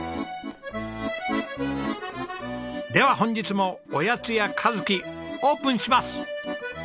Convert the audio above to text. では本日もおやつ屋和希オープンします！